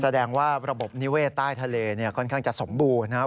แสดงว่าระบบนิเวศใต้ทะเลเนี่ยค่อนข้างจะสมบูรณ์นะครับ